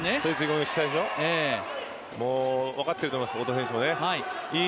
分かってると思いますよ、太田選手も。